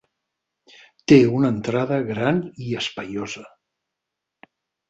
Té una entrada gran i espaiosa.